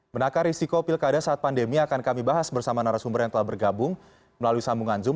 menakar risiko pilkada saat pandemi akan kami bahas bersama narasumber yang telah bergabung melalui sambungan zoom